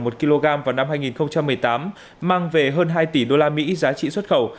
mạnh cũng ở mức giá trên ba mươi đồng một kg vào năm hai nghìn một mươi tám mang về hơn hai tỷ usd giá trị xuất khẩu